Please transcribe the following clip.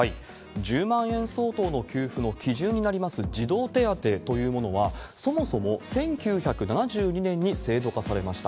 １０万円相当の給付の基準になります児童手当というものは、そもそも１９７２年に制度化されました。